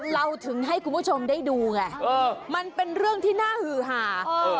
เราถึงให้คุณผู้ชมได้ดูไงมันเป็นเรื่องที่น่าหือหา